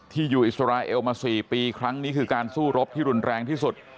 อยู่อิสราเอลมา๔ปีครั้งนี้คือการสู้รบที่รุนแรงที่สุด